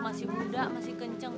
masih muda masih kenceng